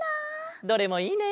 どれもいいね！